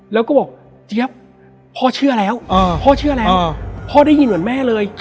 แล้วก็บอกเจี๊ยบพ่อเชื่อแล้วพ่อเชื่อแล้วพ่อได้ยินเหมือนแม่เลย